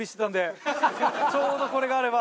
ちょうどこれがあれば！